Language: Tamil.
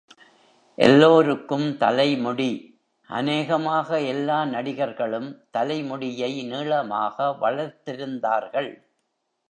எல்லோருக்கும் தலைமுடி அநேகமாக எல்லா நடிகர்களும் தலைமுடியை நீளமாக வளர்த்திருந்தார்கள்.